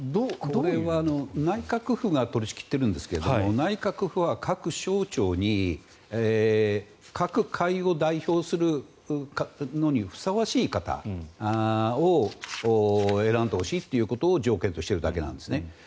これは内閣府が取り仕切っているんですが内閣府は各省庁に、各界を代表するのにふさわしい方を選んでほしいということを条件にしているだけなんですね。